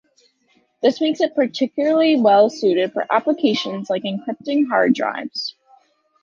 This makes it particularly well suited for applications like encrypting hard drives.